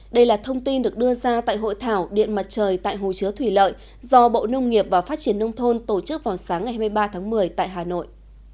đây là thông tin được đưa ra tại hội thảo điện mặt trời tại hồ chứa thủy lợi do bộ nông nghiệp và phát triển nông thôn tổ chức vào sáng ngày hai mươi ba tháng một mươi tại hà nội